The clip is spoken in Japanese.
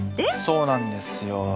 そうなんですよ。